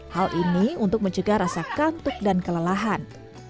hal ini untuk mencegah rasa kantuk dan kelelahan